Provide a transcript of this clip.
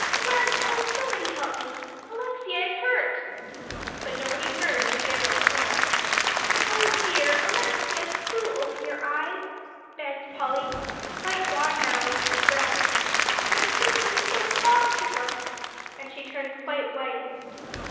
"Clem oh, somebody help me! Alexia is hurt." But nobody heard in the general tumult. "Oh dear! Alexia, do open your eyes," begged Polly, quite gone now with distress. "And to think I was so cross to her!" And she turned quite white.